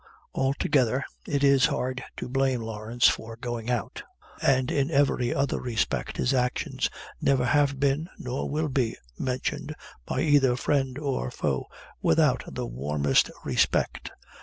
Altogether it is hard to blame Lawrence for going out, and in every other respect his actions never have been, nor will be, mentioned, by either friend or foe, without the warmest respect.